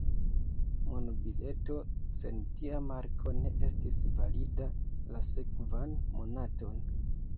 Monbileto sen tia marko ne estis valida la sekvan monaton.